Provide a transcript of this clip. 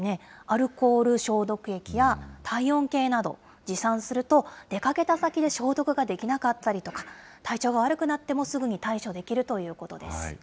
アルコール消毒液や体温計など、持参すると出かけた先で消毒ができなかったりとか、体調が悪くなってもすぐに対処できるということです。